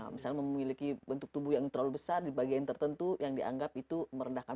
misalnya memiliki bentuk tubuh yang terlalu besar di bagian tertentu yang dianggap itu merendahkan